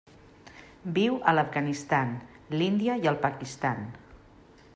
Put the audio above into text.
Viu a l'Afganistan, l'Índia i el Pakistan.